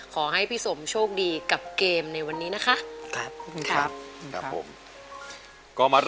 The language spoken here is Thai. ขอให้พี่สมโชคดีกับเกมในวันนี้นะคะครับผม